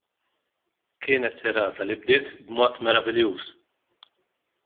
Kienet serata li bdiet b'mod meraviljuż.